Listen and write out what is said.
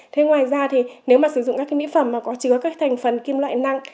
thế ngoài ra thì nếu mà sử dụng các cái mỹ phẩm mà có chứa các thành phần kim loại nặng